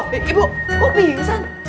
bu ibu ibu pingsan